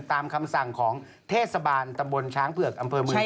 ตามคำสั่งของเทศบาลตำบลช้างเผือกอำเภอเมือง